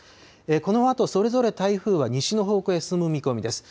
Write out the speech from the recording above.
このあとそれぞれ、台風は西の方向へ進む見込みです。